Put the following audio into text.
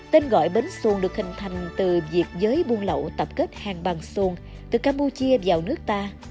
tên gọi bến xuân được hình thành từ việc giới buôn lậu tập kết hàng bằng xuân từ campuchia vào nước ta